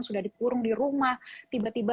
sudah dikurung di rumah tiba tiba